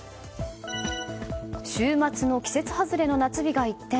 週末の季節外れの夏日が一転